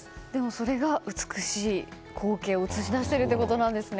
それが美しい光景を映し出しているんですね。